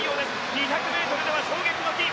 ２００ｍでは衝撃の金。